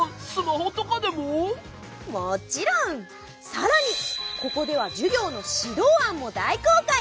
更にここでは授業の指導案も大公開！